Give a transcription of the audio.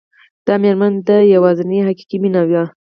دا مېرمن د ده يوازېنۍ حقيقي مينه وه.